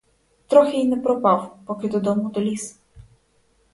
Трохи й не пропав, поки додому доліз.